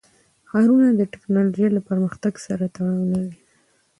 ښارونه د تکنالوژۍ له پرمختګ سره تړاو لري.